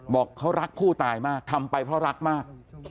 บอกเขารักผู้ตายมากทำไปเพราะรักมาก